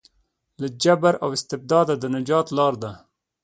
له جبر او استبداده د نجات لاره ده.